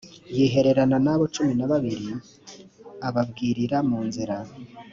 yihererana n abo cumi na babiri ababwirira mu nzira